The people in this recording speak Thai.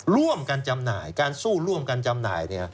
ร่วมกันจำหน่ายการสู้ร่วมกันจำหน่าย